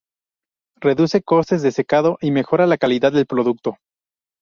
Reduce costes de secado y mejora la calidad del producto.